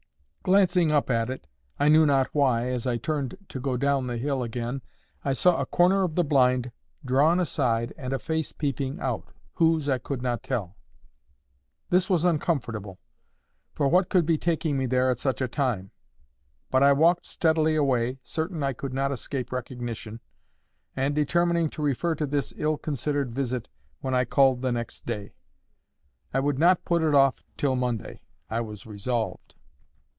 Glancing up at it, I knew not why, as I turned to go down the hill again, I saw a corner of the blind drawn aside and a face peeping out—whose, I could not tell. This was uncomfortable—for what could be taking me there at such a time? But I walked steadily away, certain I could not escape recognition, and determining to refer to this ill considered visit when I called the next day. I would not put it off till Monday, I was resolved.